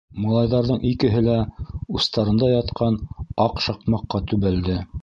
- Малайҙарҙың икеһе лә устарында ятҡан аҡ шаҡмаҡҡа төбәлде.